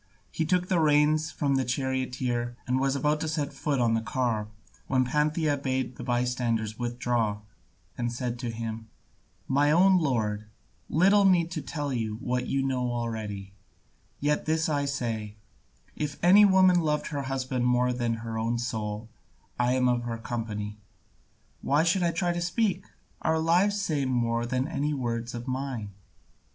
He took the reins from the charioteer, and was about to set foot on the car, when Pantheia bade the bystanders withdraw, and said to him, "My own lord, little need to tell you what you know already, yet this I say, if any woman loved her husband more than her own soul, I am of her company. Why should I try to speak? Our lives say more than any words of mine.